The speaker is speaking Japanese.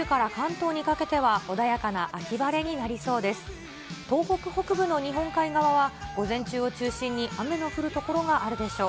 東北北部の日本海側は午前中を中心に雨の降る所があるでしょう。